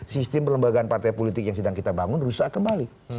sistem pelembagaan partai politik yang sedang kita bangun rusak kembali